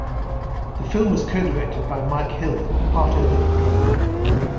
The film was co-directed by Mike Hill, part owner of Globe.